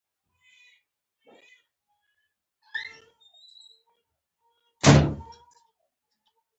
غوښين ورغوی يې ور کېکاږه.